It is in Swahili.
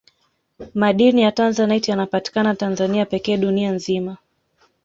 madini ya tanzanite yanapatikana tanzania pekee dunia nzima